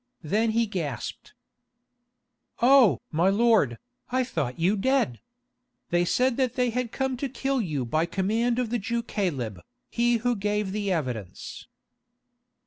Then he gasped: "Oh! my lord, I thought you dead. They said that they had come to kill you by command of the Jew Caleb, he who gave the evidence."